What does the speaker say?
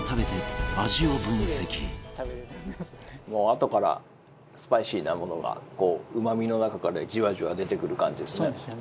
あとからスパイシーなものがうま味の中からジワジワ出てくる感じですね。